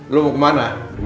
lu mau kemana